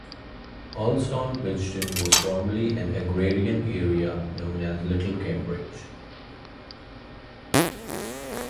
Allston-Brighton was formerly an agrarian area known as Little Cambridge.